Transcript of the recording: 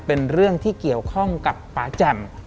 เป็นเรื่องที่เกี่ยวข้องกับป่าแจ่ม